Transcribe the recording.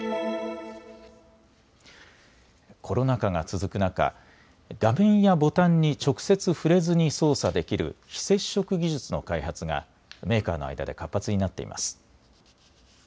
コロナ禍が続く中、画面やボタンに直接触れずに操作できる非接触技術の開発がメーカーの間で活発になっています。